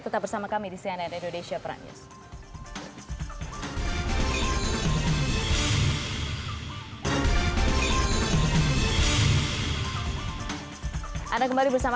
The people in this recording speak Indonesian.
tetap bersama kami di cnn indonesia prime news